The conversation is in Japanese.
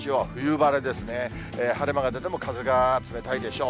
晴れ間が出ても風が冷たいでしょう。